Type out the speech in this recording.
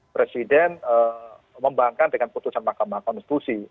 presiden membangkang dengan putusan mahkamah konstitusi